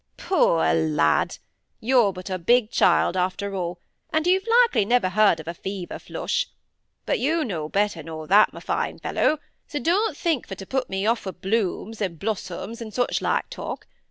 "Poor lad! you're but a big child after all; and you've likely never heared of a fever flush. But you know better nor that, my fine fellow! so don't think for to put me off wi' blooms and blossoms and such like talk.